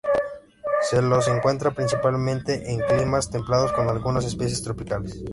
Se los encuentra principalmente en climas templados, con algunas especies tropicales.